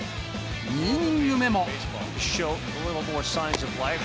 ２イニング目も。